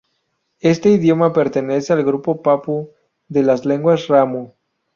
Este idioma pertenece al grupo papú de las lenguas Ramu.